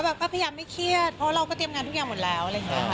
แต่ก็พยายามไม่เครียดเพราะเราก็เตรียมงานทุกอย่างหมดแล้ว